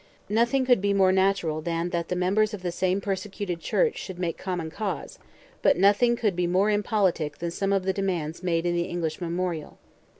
Nothing could be more natural than that the members of the same persecuted church should make common cause, but nothing could be more impolitic than some of the demands made in the English memorial.